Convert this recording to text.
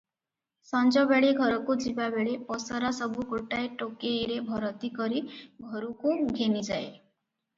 ସଞ୍ଜବେଳେ ଘରକୁ ଯିବାବେଳେ ପସରା ସବୁ ଗୋଟାଏ ଟୋକେଇରେ ଭରତି କରି ଘରୁକୁ ଘେନିଯାଏ ।